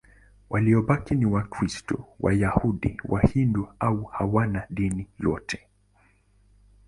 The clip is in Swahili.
Waliobaki ni Wakristo, Wayahudi, Wahindu au hawana dini yote.